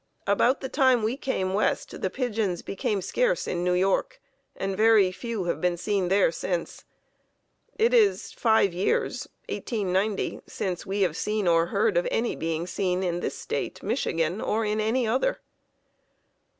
About the time we came west the pigeons became scarce in New York, and very few have been seen there since. It is five years (1890) since we have seen or heard of any being seen in this State (Michigan) or in any other.